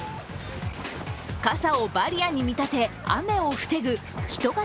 傘をバリアに見立て雨を防ぐ人型